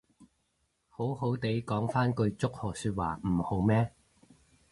好好哋講返句祝賀說話唔好咩